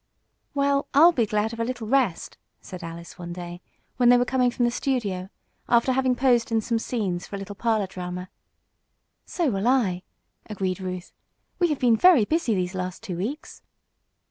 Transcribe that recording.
"Well, I'll be glad of a little rest," said Alice, one day, when they were coming from the studio, after having posed in some scenes for a little parlor drama. "So will I," agreed Ruth. "We have been very busy these last two weeks."